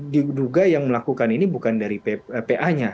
diduga yang melakukan ini bukan dari pa nya